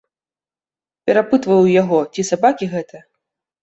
Перапытваю ў яго, ці сабакі гэта?